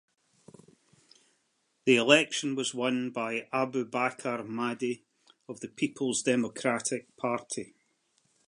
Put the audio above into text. The election was won by Abubakar Mahdi of the Peoples Democratic Party.